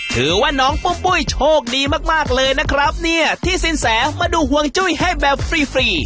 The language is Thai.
ถือว่าน้องปุ้มปุ้ยโชคดีมากมากเลยนะครับเนี่ยที่สินแสมาดูห่วงจุ้ยให้แบบฟรีฟรี